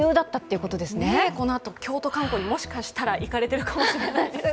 このあと、京都観光に、もしかしたら行かれているかもしれない。